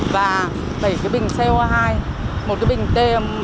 và bảy cái bình co hai một cái bình t ba mươi năm